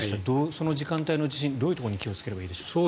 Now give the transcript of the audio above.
その時間帯の地震はどういうところに気をつければいいでしょうか。